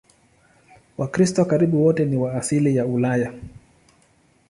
Wakristo karibu wote ni wa asili ya Ulaya.